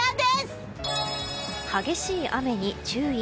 激しい雨に注意。